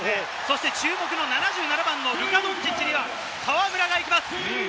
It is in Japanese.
注目の７７番、ルカ・ドンチッチには河村が行きます。